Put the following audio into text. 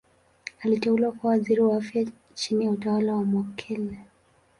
Aliteuliwa kuwa Waziri wa Afya chini ya utawala wa Mokhehle.